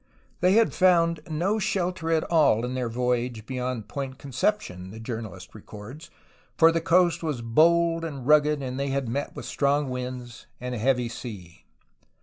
They had found no shelter at all in their voyage beyond Point Conception, the journalist records, for the coast was bold and rugged, and they had met with strong winds and a heavy sea.